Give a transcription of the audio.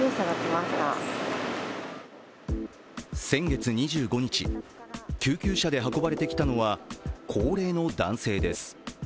先月２５日、救急車で運ばれてきたのは高齢の男性です。